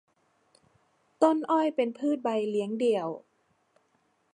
ต้นอ้อยเป็นพืชใบเลี้ยงเดี่ยว